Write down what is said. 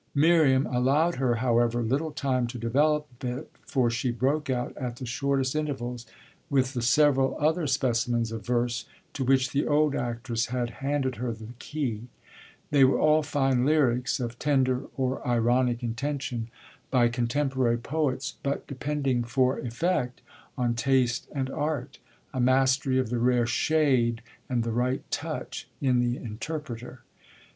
Miriam allowed her, however, little time to develop it, for she broke out, at the shortest intervals, with the several other specimens of verse to which the old actress had handed her the key. They were all fine lyrics, of tender or ironic intention, by contemporary poets, but depending for effect on taste and art, a mastery of the rare shade and the right touch, in the interpreter.